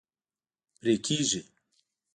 پرې کیږي